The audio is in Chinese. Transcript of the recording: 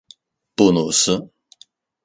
布鲁斯。